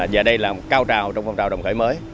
và đây là một cao trào trong phong trào đồng khởi mới